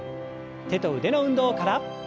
手と腕の運動から。